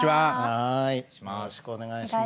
よろしくお願いします。